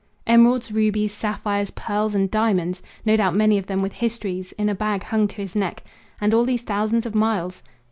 Emeralds, rubies, sapphires, pearls, and diamonds! No doubt many of them with histories in a bag hung to his neck and all these thousands of miles!